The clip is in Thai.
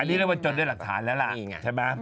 อันนี้เรียกว่าจนด้วยหลักฐานแล้วล่ะนี่ไงใช่ไหม